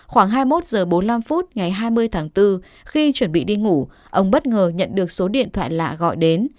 khoảng hai mươi một h bốn mươi năm ngày hai mươi tháng bốn khi chuẩn bị đi ngủ ông bất ngờ nhận được số điện thoại lạ gọi đến